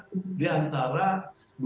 kemudian ada kesan selera